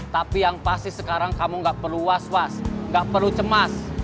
tapi yang pasti sekarang kamu nggak perlu was was nggak perlu cemas